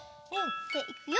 でいくよ。